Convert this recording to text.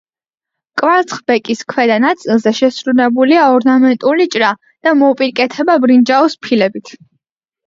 კვარცხლბეკის ქვედა ნაწილზე შესრულებულია ორნამენტული ჭრა და მოპირკეთება ბრინჯაოს ფილებით.